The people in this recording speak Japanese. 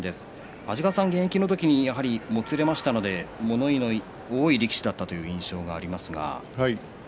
安治川さんは現役の時にやはりもつれましたので物言いは多い力士だったという印象がありますが。